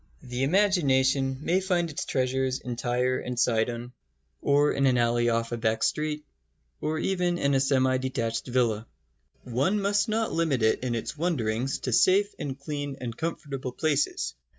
The imagination may find its treasures in Tyre and Sidon or in an alley off a back street, or even in a semi detached villa. One must not limit it in its wanderings to safe and clean and comfortable places.